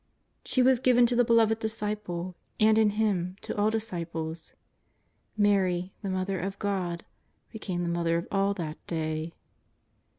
She was given to the Beloved Disciple, and in him to all disciples. Mary, the Mother of God, became the Mother of us all that day.